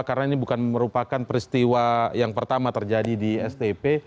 karena ini bukan merupakan peristiwa yang pertama terjadi di stip